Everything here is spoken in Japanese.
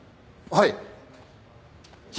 はい。